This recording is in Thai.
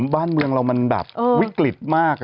บ้านเมืองเรามันแบบวิกฤตมาก